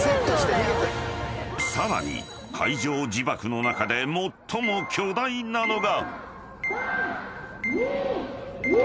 ［さらに海上自爆の中で最も巨大なのが］